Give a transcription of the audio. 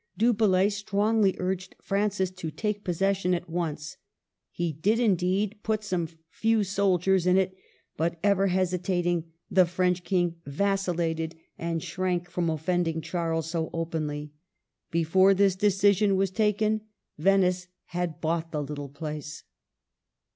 Du Bellay strongly urged Francis to take possession at once. He did, indeed, put some few soldiers in it ; but, ever hesitating, the French King vacil lated, and shrank from offending Charles so openly. Before his decision was taken, Venice had bought the little place.